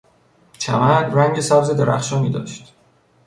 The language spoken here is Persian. چمن رنگ سبز درخشانی داشت.